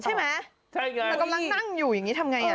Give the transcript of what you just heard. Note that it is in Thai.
ใช่ไหมเรากำลังนั่งอยู่ทำไง